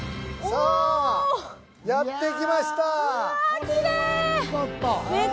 さあやってきましたうわ